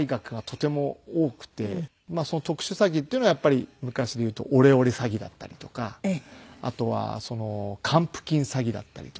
その特殊詐欺っていうのはやっぱり昔でいうとオレオレ詐欺だったりとかあとは還付金詐欺だったりとか。